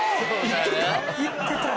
いってた。